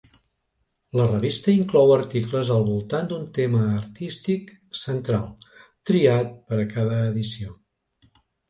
La revista inclou articles al voltant d'un tema artístic central triat per a cada edició.